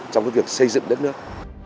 trong việc xây dựng đất nước